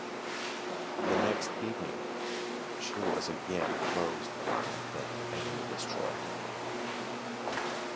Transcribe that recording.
The next evening, she was again closed by an enemy destroyer.